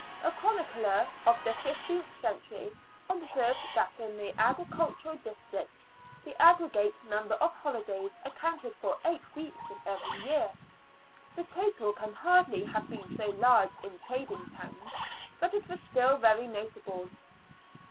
A chronicler of the fifteenth century observed that in the agricultural districts the aggregate number of holidays accounted for eight weeks in every year. The total can hardly have been so large in trading towns, but it was still very notable.